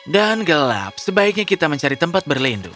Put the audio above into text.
dan gelap sebaiknya kita mencari tempat berlindung